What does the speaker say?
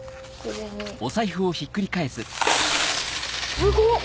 すごっ！